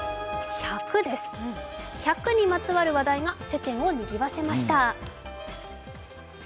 １００にまつわる話題が世間を賑わせました。